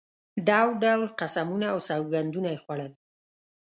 ډول ډول قسمونه او سوګندونه یې خوړل.